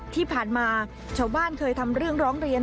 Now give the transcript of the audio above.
ที่ผ่านมาชาวบ้านเคยทำเรื่องร้องเรียน